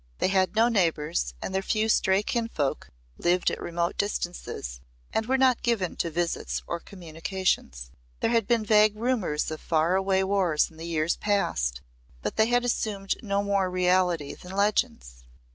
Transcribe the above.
They had no neighbours and their few stray kinfolk lived at remote distances and were not given to visits or communications. There had been vague rumours of far away wars in the years past, but they had assumed no more reality than legends.